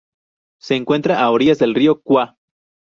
Se encuentra a orillas del río Cúa.